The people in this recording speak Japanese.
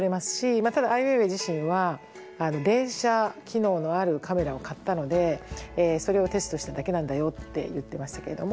ただアイ・ウェイウェイ自身は「連写機能のあるカメラを買ったのでそれをテストしただけなんだよ」って言ってましたけども。